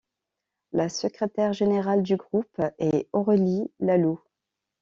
La secrétaire générale du groupe est Aurélie Laloux.